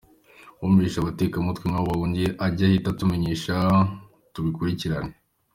Uwumvise abatekamutwe nk’abo bamuhamagaye ajye ahita atumenyesha tubakurikirane.